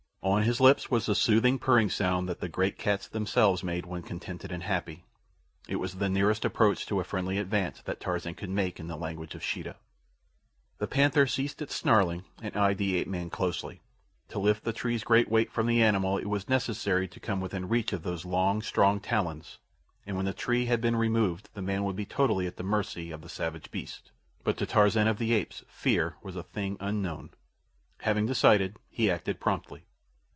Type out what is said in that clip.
On his lips was the soothing, purring sound that the great cats themselves made when contented and happy. It was the nearest approach to a friendly advance that Tarzan could make in the language of Sheeta. The panther ceased his snarling and eyed the ape man closely. To lift the tree's great weight from the animal it was necessary to come within reach of those long, strong talons, and when the tree had been removed the man would be totally at the mercy of the savage beast; but to Tarzan of the Apes fear was a thing unknown. Having decided, he acted promptly.